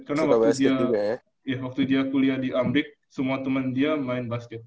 karena waktu dia kuliah di amrik semua teman dia main basket